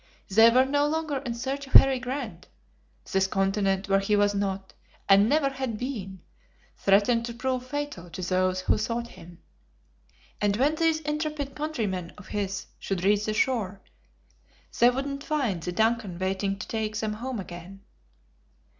They were no longer in search of Harry Grant. This continent, where he was not, and never had been, threatened to prove fatal to those who sought him. And when these intrepid countrymen of his should reach the shore, they would find the DUNCAN waiting to take them home again.